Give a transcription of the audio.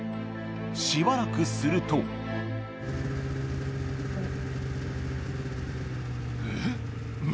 しばらくするとえっ。